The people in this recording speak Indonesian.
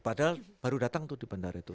padahal baru datang tuh di bandara itu